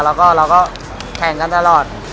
แล้วก็แข่งกันตลอด